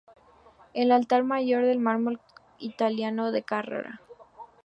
El altar mayor es de mármol italiano de Carrara.